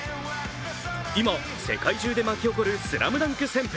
今、世界中で巻き起こる「ＳＬＡＭＤＵＮＫ」旋風。